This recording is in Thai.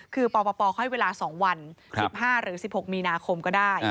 คือปปให้เวลา๒วัน๑๕หรือ๑๖มีนาคมก็ได้